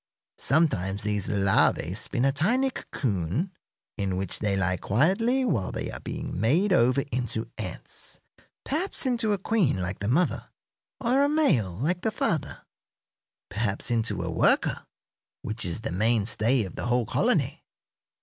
Sometimes these larvæ spin a tiny cocoon, in which they lie quietly while they are being made over into ants perhaps into a queen, like the mother, or a male, like the father; perhaps into a worker, which is the mainstay of the whole colony.